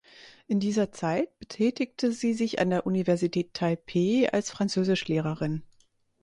In dieser Zeit betätigte sie sich an der Universität Taipeh als Französischlehrerin.